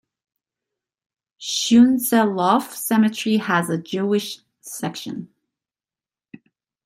Schoonselhof Cemetery has a Jewish section.